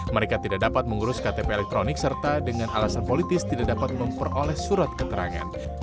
mereka tidak dapat mengurus ktp elektronik serta dengan alasan politis tidak dapat memperoleh surat keterangan